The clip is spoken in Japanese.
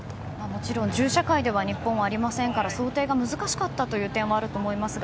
もちろん銃社会では日本はありませんから想定が難しかったという点もあると思いますが